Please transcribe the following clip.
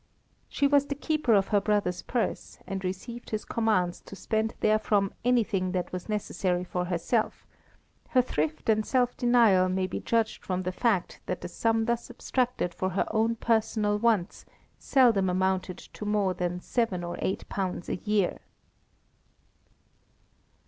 She was the keeper of her brother's purse, and received his commands to spend therefrom anything that was necessary for herself; her thrift and self denial may be judged from the fact that the sum thus abstracted for her own personal wants seldom amounted to more than £7 or £8 a year.